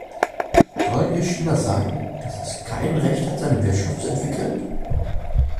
Sollen wir China sagen, dass es kein Recht hat, seine Wirtschaft zu entwickeln?